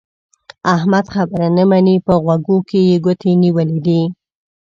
احمد خبره نه مني؛ په غوږو کې يې ګوتې نيولې دي.